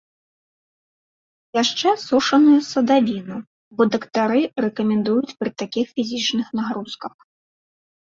Яшчэ сушаную садавіну, бо дактары рэкамендуюць пры такіх фізічных нагрузках.